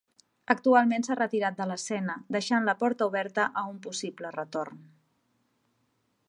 Actualment s'ha retirat de l'escena, deixant la porta oberta a un possible retorn.